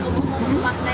atau nggak bisa